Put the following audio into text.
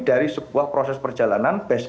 dari sebuah proses perjalanan